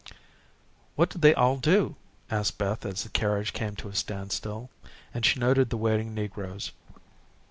"What do they all do?" asked Beth as the carriage came to a standstill, and she noted the waiting negroes.